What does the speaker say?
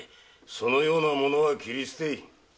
そのような者は斬り捨てい。